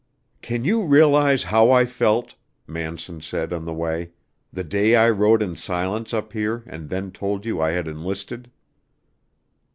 "Can you realize how I felt," Manson said on the way, "the day I rode in silence up here and then told you I had enlisted?"